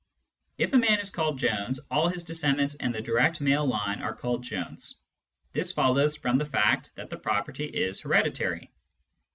If a man is called Jones, all his de scendants in the direct male line are called Jones ; this follows from the fact that the property is hereditary.